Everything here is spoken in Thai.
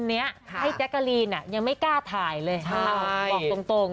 เนี้ยค่ะให้แจ๊กกาลีนอ่ะยังไม่กล้าถ่ายเลยใช่บอกตรงตรง